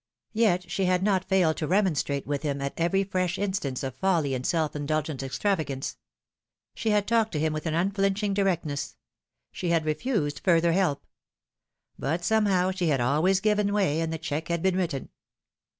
Yet she had not failed to remonstrate with him at every fresh instance of folly and self indulgent extravagance. She had talked to him with an unflinching directness ; she had refused further help ; but somehow she had always given way, and the cheque had been written.